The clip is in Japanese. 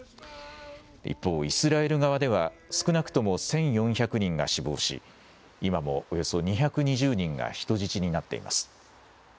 一方、イスラエル側では、少なくとも１４００人が死亡し、今もおよそ２２０人が人質になっています。